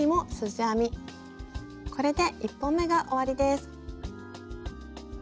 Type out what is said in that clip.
これで１本めが終わりです。